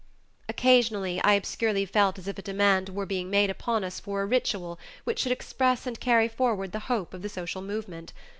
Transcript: Occasionally I obscurely felt as if a demand were being made upon us for a ritual which should express and carry forward the hope of the social movement.